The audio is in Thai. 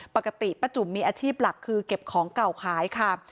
ปกติป้าจุ่มมีอาชีพหลักคือเก็บของเก่าขายค่ะ